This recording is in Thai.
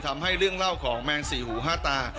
ทำให้เรื่องเล่าของแมงสี่หูห้าตา